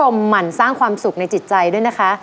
หมั่นสร้างความสุขในจิตใจด้วยนะคะ